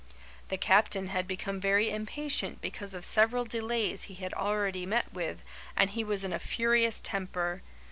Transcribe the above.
The captain had become very impatient because of several delays he had already met with, and he was in a furious temper.